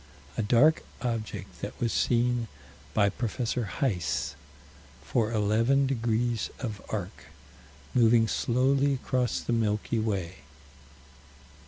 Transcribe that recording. A dark object that was seen by Prof. Heis, for eleven degrees of arc, moving slowly across the Milky Way.